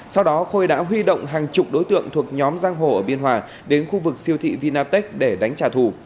sau đó khôi đã huy động hàng chục đối tượng thuộc nhóm giang hồ ở biên hòa đến khu vực siêu thị vinatech để đánh trả thù